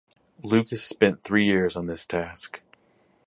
Lucas spent three years on this task.